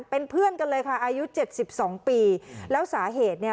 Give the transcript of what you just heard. เป็นเพื่อนกันเลยค่ะอายุเจ็ดสิบสองปีแล้วสาเหตุเนี่ย